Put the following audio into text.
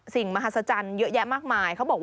สิ่งมหาศจรรย์เยอะแยะมากมาย